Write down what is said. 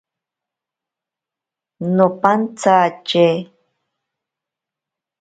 Nopantsatye.